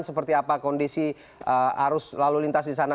seperti apa kondisi arus lalu lintas di sana